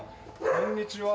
こんにちは。